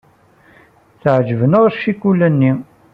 Teɛjeb-aneɣ ccikula-nni.